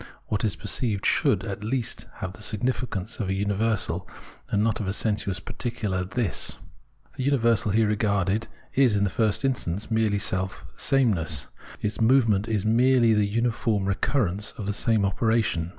What is perceived should, at least, have the significance of a universal, and not of a sensuous particular " this." The universal, here regarded, is, in the first instance, merely self sameness ; its movement is merely the uniform recurrence of the same operation.